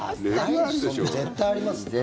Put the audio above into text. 絶対あります。